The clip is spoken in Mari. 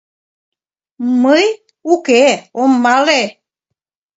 — М-мый, уке, ом мале.